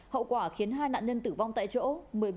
hậu quả khiến hai nạn nhân tử vong tại chỗ